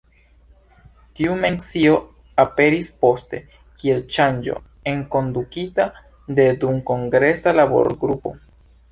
Tiu mencio aperis poste, kiel ŝanĝo enkondukita de dumkongresa laborgrupo.